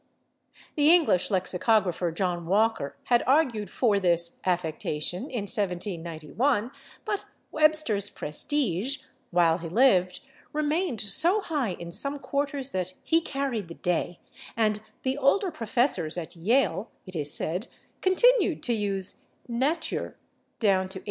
The English lexicographer, John Walker, had argued for this "affectation" in 1791, but Webster's prestige, while he lived, remained so high in some quarters that he carried the day, and the older professors at Yale, it is said, continued to use /natur/ down to 1839.